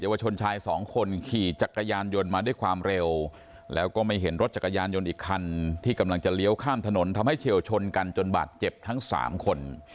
วชนชายสองคนขี่จักรยานยนต์มาด้วยความเร็วแล้วก็ไม่เห็นรถจักรยานยนต์อีกคันที่กำลังจะเลี้ยวข้ามถนนทำให้เฉียวชนกันจนบาดเจ็บทั้งสามคน